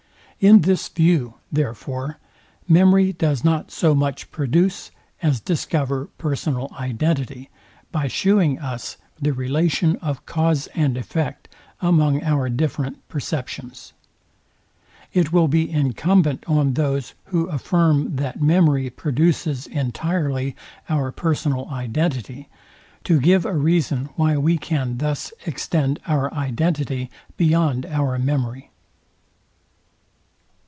In this view, therefore, memory does not so much produce as discover personal identity, by shewing us the relation of cause and effect among our different perceptions. It will be incumbent on those, who affirm that memory produces entirely our personal identity, to give a reason why we can thus extend our identity beyond our memory.